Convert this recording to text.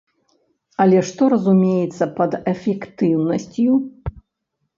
Але што разумеецца пад эфектыўнасцю?